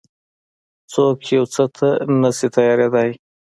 څوک يو څه ته نه شي تيارېدای.